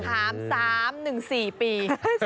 มะค้าม๓หนึ่ง๔ปี